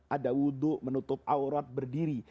ada wudhu menutup aurat berdiri